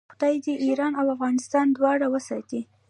خدای دې ایران او افغانستان دواړه وساتي.